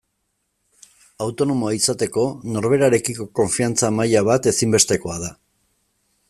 Autonomoa izateko norberarekiko konfiantza maila bat ezinbestekoa da.